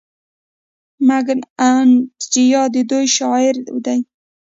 میک ان انډیا د دوی شعار دی.